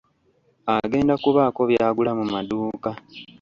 Agenda kubaako by'agula mu maduuka.